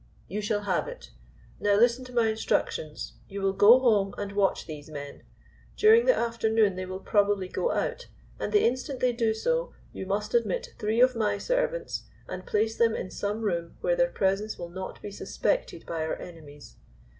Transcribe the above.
"You shall have it. Now listen to my instructions. You will go home and watch these men. During the afternoon they will probably go out, and the instant they do so, you must admit three of my servants and place them in some room where their presence will not be suspected by our enemies.